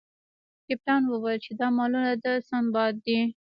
کپتان وویل چې دا مالونه د سنباد دي.